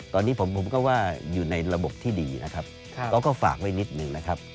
ตอนนี้ผมก็ว่าอยู่ในระบบที่ดีนะครับเขาก็ฝากไว้นิดหนึ่งนะครับ